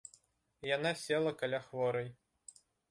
Яна села каля хворай.